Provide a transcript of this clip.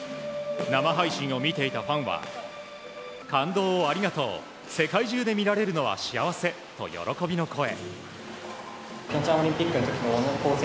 生配信を見ていたファンは感動をありがとう世界中で見られるのは幸せと喜びの声。